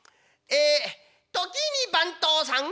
え時に番頭さん